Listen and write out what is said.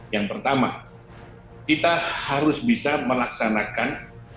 yang pertama kita harus bisa melaksanakan